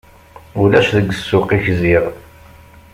Ulac deg ssuq-ik ziɣ!